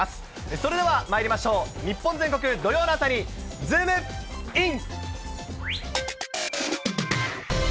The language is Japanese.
それではまいりましょう、日本全国土曜の朝にズームイン！！